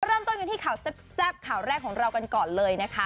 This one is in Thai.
เริ่มต้นกันที่ข่าวแซ่บข่าวแรกของเรากันก่อนเลยนะคะ